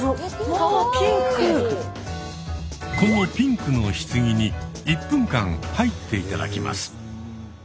このピンクの棺に１分間入って頂きます。